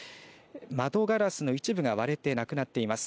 窓ガラスの一部が割れてなくなっています。